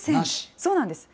そうなんです。